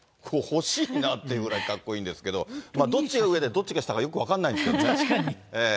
欲しいなっていうぐらいかっこいいんですけど、どっちが上でどっちが下かよく分かんないんですけどね。